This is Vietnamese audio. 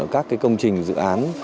các cái công trình dự án